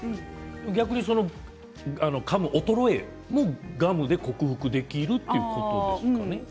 逆にかむ衰えもガムで克服できるということですかね。